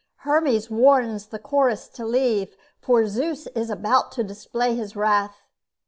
Hermes warns the Chorus to leave, for Zeus is about to display his wrath.